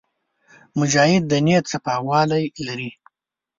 مجاهد د نیت صفاوالی لري.